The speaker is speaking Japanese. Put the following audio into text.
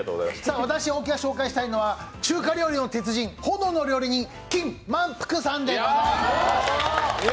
私・大木が紹介したいのは中華料理の鉄人、炎の料理人、金萬福さんです！